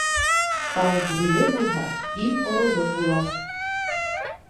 Тау бүреле булһа, ил ороло була.